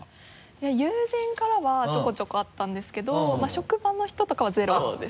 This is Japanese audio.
友人からはちょこちょこあったんですけど職場の人とかはゼロです。